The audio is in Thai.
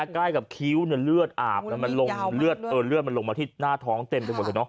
ใกล้กับคิ้วเนื้อเลือดอาบมันลงเลือดเออเลือดมันลงมาที่หน้าท้องเต็ม